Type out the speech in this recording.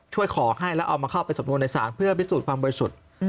ขอให้แล้วเอามาเข้าไปสำนวนในศาลเพื่อพิสูจน์ความบริสุทธิ์